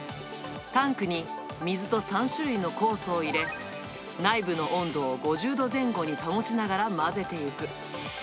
タンクに水と３種類の酵素を入れ、内部の温度を５０度前後に保ちながら混ぜていく。